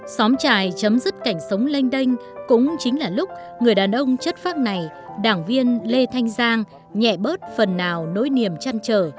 xóm trài chấm dứt cảnh sống lanh đanh cũng chính là lúc người đàn ông chất phác này đảng viên lê thanh giang nhẹ bớt phần nào nỗi niềm chăn trở